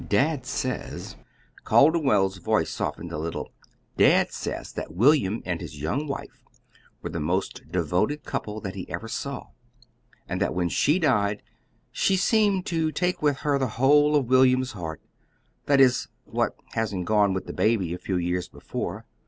Dad says," Calderwell's voice softened a little "dad says that William and his young wife were the most devoted couple that he ever saw; and that when she died she seemed to take with her the whole of William's heart that is, what hadn't gone with the baby a few years before.